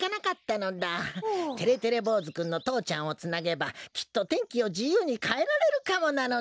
てれてれぼうずくんの父ちゃんをつなげばきっと天気をじゆうにかえられるかもなのだ。